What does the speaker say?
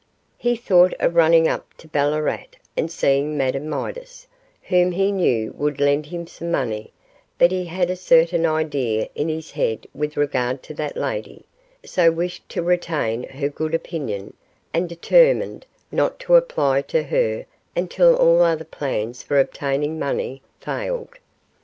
He thought of running up to Ballarat and seeing Madame Midas, whom he knew would lend him some money, but he had a certain idea in his head with regard to that lady, so wished to retain her good opinion, and determined not to apply to her until all other plans for obtaining money failed.